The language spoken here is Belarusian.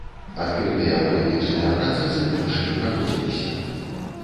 Адкрытыя палітычныя працэсы больш не праводзіліся.